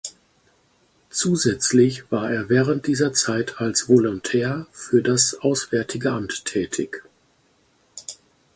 Zusätzlich war er während dieser Zeit als Volontär für das Auswärtige Amt tätig.